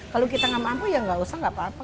kalau kita gak mampu ya gak usah gak apa apa